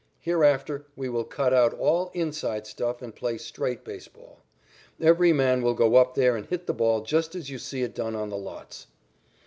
Hereafter we will cut out all 'inside' stuff and play straight baseball. Every man will go up there and hit the ball just as you see it done on the lots."